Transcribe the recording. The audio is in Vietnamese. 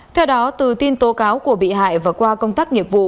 theo đó từ tin tố cáo của bị hại và qua công tác nghiệp vụ